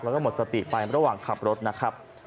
แล้วก็หมดสติไประหว่างขับรถนะครับ